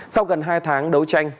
sau gần hai tháng đấu tranh